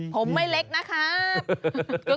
ผมไม่เล็กนะครับ